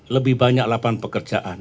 lebih banyak lapangan pekerjaan